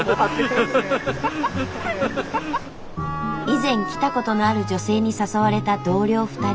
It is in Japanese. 以前来たことのある女性に誘われた同僚２人。